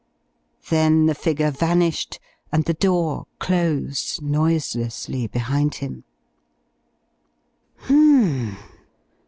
Then the figure vanished and the door closed noiselessly behind him. Hmm.